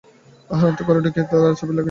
আহারান্তে ঘরে ঢুকিয়া দ্বারে চাবি লাগাইয়া দিলেন।